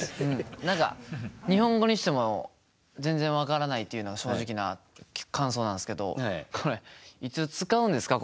何か日本語にしても全然分からないっていうのが正直な感想なんですけどこれいつ使うんですか？